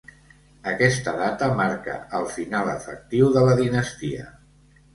Aquesta data marca el final efectiu de la dinastia.